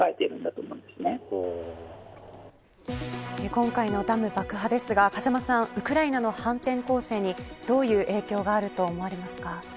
今回のダム爆破ですが風間さんウクライナの反転攻勢にどういう影響が出てくると考えますか。